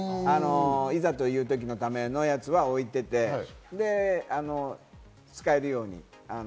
いざという時のためのやつは置いていて、使えるように。